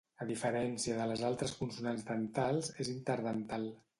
A diferència de les altres consonants dentals, és interdental.